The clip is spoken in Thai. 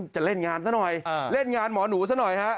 จะเล่นงานซะหน่อยเล่นงานหมอหนูซะหน่อยฮะ